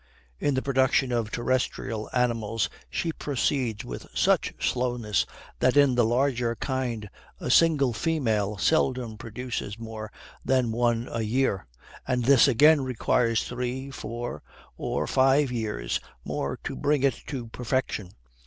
In the production of terrestrial animals she proceeds with such slowness, that in the larger kind a single female seldom produces more than one a year, and this again requires three, for, or five years more to bring it to perfection.